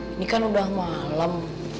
ini kan udah malem